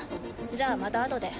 じゃあまたあとで。